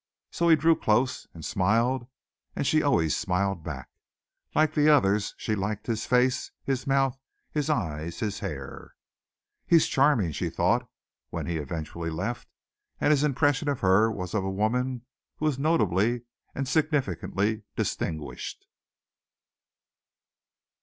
So he drew close and smiled and she always smiled back. Like the others she liked his face, his mouth, his eyes, his hair. "He's charming," she thought, when he eventually left; and his impression of her was of a woman who was notably and significantly distinguished.